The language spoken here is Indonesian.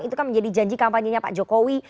itu kan menjadi janji kampanye pak cikowi